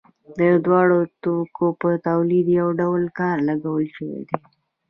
د دواړو توکو په تولید یو ډول کار لګول شوی دی